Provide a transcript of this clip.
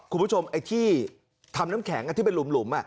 คุณผู้ชมทางทำแข็งไปหลุ่ม